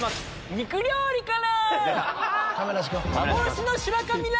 肉料理から！